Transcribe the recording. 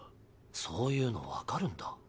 そういうの分かるんだ。